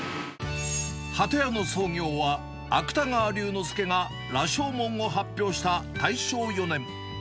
鳩屋の創業は、芥川龍之介が羅生門を発表した大正４年。